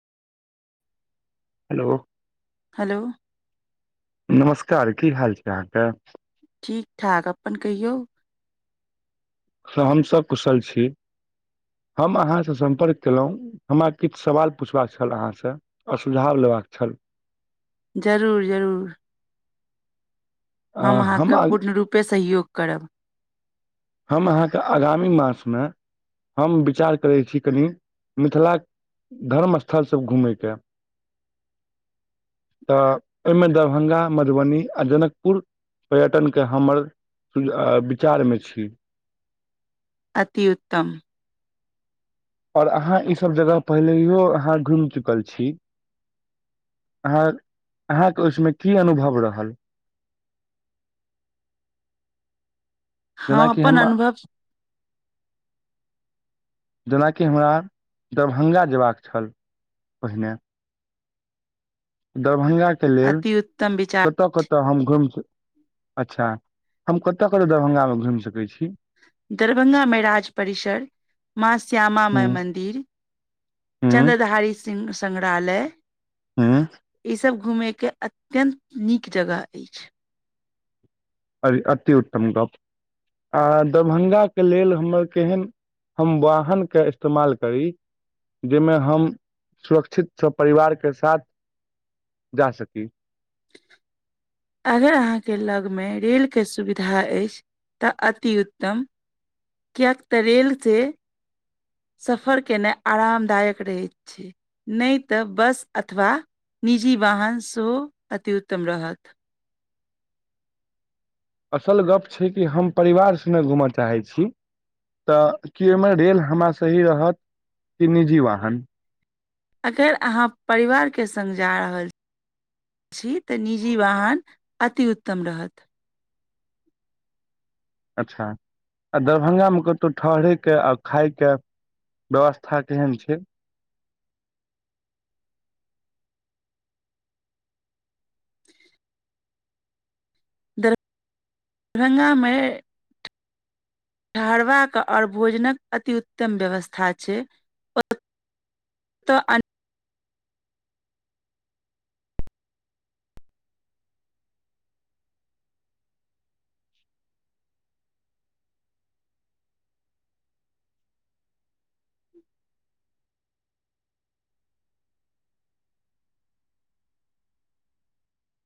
Hello hello नमस्कार की हाल छै। अहाँके ठीक ठाक अप्पन कहियौ हम सभ कुशल छी हम अहाँ सँ सम्पर्क केलहुँ हमरा किछु सवाल पुछबाक छल अहाँ सँ आ सुझाव लेबाक छल जरूर जरूर अ, हम अहाँके आग- पूर्ण रूपे सहयोग करब हम अहाँके आगामी मास में हम विचार करैत छी कनि मिथिला केँ धर्म स्थलसभ घुमय के तऽ एहिहि में दरभंगा मधुबनी और जनकपुर पर्यटनके हमर विचार में छी अति उत्तम और अहाँ ई सभ जगह पहिलेयो अहाँ घुमि चुकल छी अह अहाँके ओहिसमे की अनुभव रहल हम अपन अनुभव जेनाकि हमरा दरभंगा जेबाक छल पहिने दरभंगाक के लेल अति उत्तम विचार कतऽ कत तऽ हम घुमि कऽ अच्छा हम कतऽ कतऽ दरभङ्गामे घुमि सकै छी दरभंगामे राज परिसर माँ श्यामा हूँ माई मन्दिर हूँ चन्द्रधारी सिंह संग्रहालय हँ ई सब घूमे के अत्यंत नीक जगह अछि अरे अति उत्तम गप्प आ दरभंगाके लेल हमर केहन हम वाहन के इस्तेमाल करी जाहिमे हम सुरक्षित सब परिवारके साथ जा सकी [inaudible] अगर अहाँके लगमे रेलके सुविधा अछि तऽ अति उत्तम कियेक तऽ रेल से सफर केनाइ आरामदायक रहैत छै। नय तऽ बस अथवा निजी वाहन सेहो अति्उत्तम रहत असल गप छै कि हम परिवार संगे घूमय चाहै छी तऽ कि ओहिमे रेल हमरा लेल सही रहत कि निजी वाहन अगर अहाँ परिवार के संग जा रहल छी छी तऽ निजी वाहन अतिउत्तम रहत अच्छा आ दरभंगामे कतौ ठहरयके आ खायके व्यवस्था केहन छै दरभंगा मे ठहरबाक आओर भोजनक अतिउत्तम व्यवस्था छै तऽ